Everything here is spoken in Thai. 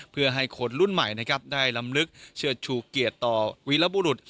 เพื่อให้คนรุ่นใหม่นะครับได้ลำลึกเชื่อชูเกียรติต่อวีรบุรุษ